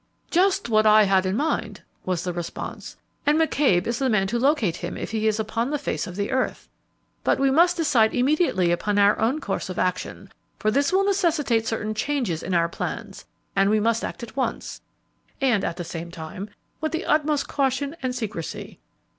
"Just what I had in mind" was the response, "and McCabe is the man to locate him if he is upon the face of the earth. But we must decide immediately upon our own course of action, for this will necessitate certain changes in our plans, and we must act at once, and, at the same time, with the utmost caution and secrecy."